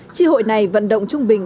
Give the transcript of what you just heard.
chi hội này vận động trung bình